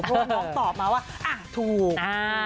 เพราะว่าน้องตอบมาว่าอ่ะถูก